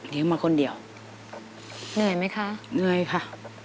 มาคนเดียวเหนื่อยไหมคะเหนื่อยค่ะ